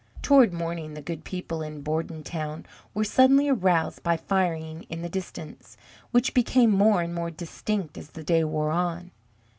Toward morning the good people in Bordentown were suddenly aroused by firing in the distance, which became more and more distinct as the day wore on.